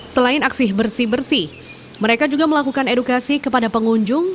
selain aksi bersih bersih mereka juga melakukan edukasi kepada pengunjung